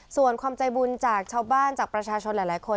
ส่วนความใจบุญจากชาวบ้านจากประชาชนหลายคน